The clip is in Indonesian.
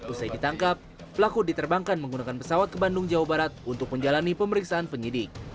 usai ditangkap pelaku diterbangkan menggunakan pesawat ke bandung jawa barat untuk menjalani pemeriksaan penyidik